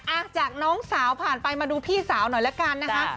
อ่ะจากน้องสาวผ่านไปมาดูพี่สาวหน่อยละกันนะคะ